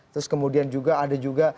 terus kemudian juga ada juga